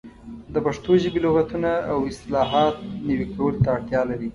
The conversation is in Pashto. د پښتو ژبې لغتونه او اصطلاحات نوي کولو ته اړتیا لري.